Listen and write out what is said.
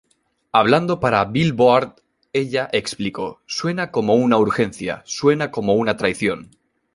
Hablando para "Billboard", ella explicó: "Suena como una urgencia, suena como una traición.